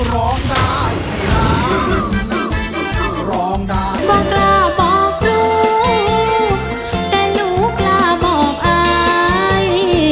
บอกรู้แต่รู้กล้าบอกอาย